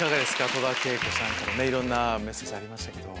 戸田恵子さんからいろんなメッセージありました。